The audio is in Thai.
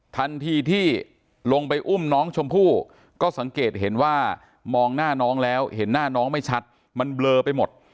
ทันทีที่ลงไปอุ้มน้องชมพู่ก็สังเกตเห็นว่ามองหน้าน้องแล้วเห็นหน้าน้องไม่ชัดมันเบลอไปหมด